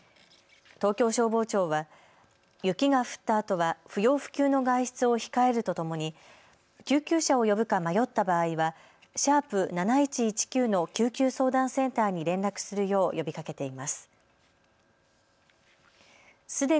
東京消防庁は雪が降ったあとは、不要不急の外出を控えるとともに救急車を呼ぶか迷った場合は、＃７１１９の救急相談センターに連絡するよう呼びかけています。